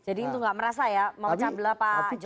jadi itu gak merasa ya memecah belah pak jokowi dengan pemiga